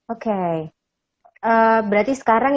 oke berarti sekarang